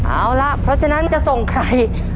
เอาล่ะเพราะฉะนั้นจะส่งใคร